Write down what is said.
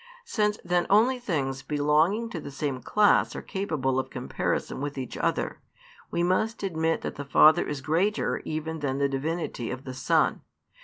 Since then only things belonging to the same class are capable of comparison with each other, we must admit that the Father is greater even than the divinity of the Son.